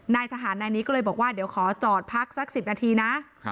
นายทหารนายนี้ก็เลยบอกว่าเดี๋ยวขอจอดพักสัก๑๐นาทีนะ